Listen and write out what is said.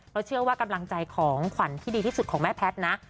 เชื่อว่ากำลังใจของขวัญที่ดีที่สุดของแม่แพทย์นะ